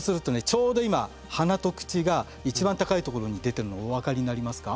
ちょうど今鼻と口が一番高いところに出てるのお分かりになりますか？